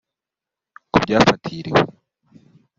Ku byafatiriwe